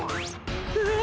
うわ！